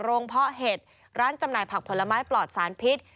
เพาะเห็ดร้านจำหน่ายผักผลไม้ปลอดสารพิษ